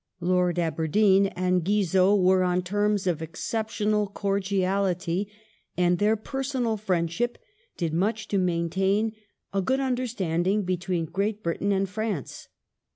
Lord Aberdeen and Guizot were on terms of exceptional cordiality, and their personal friendship did much to maintain a good understanding between Great Britain and France.